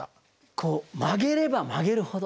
こう曲げれば曲げるほど。